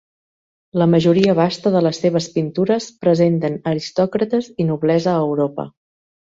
La majoria vasta de les seves pintures presenten aristòcrates i noblesa a Europa.